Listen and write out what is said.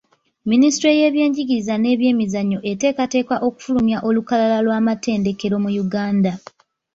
Minisitule y'ebyenjigiriza n'ebyemizannyo eteekateeka okufulumya olukalala lw'amatendekero mu Uganda.